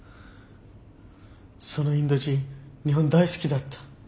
そのインド人日本大好きだった。